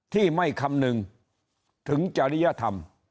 ที่ไม่คำนึงถึงจริยธรรม